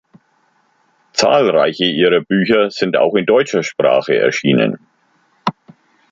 Zahlreiche ihrer Bücher sind auch in deutscher Sprache erschienen.